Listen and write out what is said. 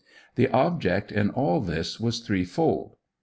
The object in all this was threefold.